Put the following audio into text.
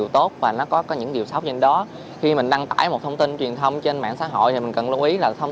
từ đầu năm hai nghìn hai mươi ba đến nay